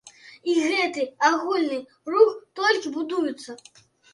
І гэты агульны рух толькі будуецца.